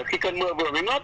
thì khi cơn mưa vừa mới ngất